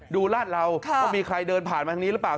ราดเราว่ามีใครเดินผ่านมาทางนี้หรือเปล่า